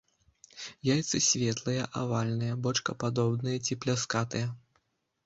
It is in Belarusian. Яйцы светлыя, авальныя, бочкападобныя ці пляскатыя.